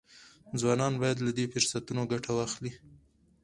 ځوانان باید له دې فرصتونو ګټه واخلي.